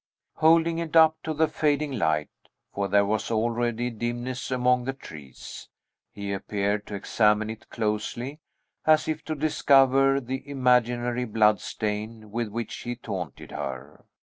Holding it up to the fading light (for there was already dimness among the trees), he appeared to examine it closely, as if to discover the imaginary blood stain with which he taunted her.